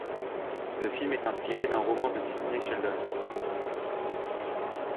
Le film est inspiré d'un roman de Sidney Sheldon.